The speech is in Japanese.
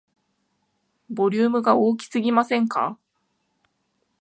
ボリュームが大きすぎませんか